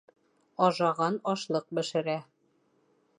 Ажаған ашлыҡ бешерә.